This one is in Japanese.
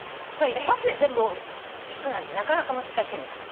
一発で全部いくなんてなかなか難しいの。